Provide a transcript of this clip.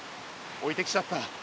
おいてきちゃった。